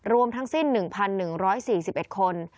รวมทั้งสิ้น๑๑๔๑คน